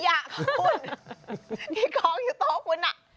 ไม่อยากขอบคุณดิกองอยู่โต๊ะคุณน่ะ